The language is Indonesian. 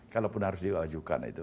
kalaupun harus diwajukan itu